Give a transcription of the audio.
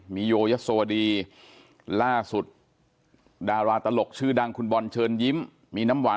มีโยยสวดีล่าสุดดาราตลกชื่อดังคุณบอลเชิญยิ้มมีน้ำหวาน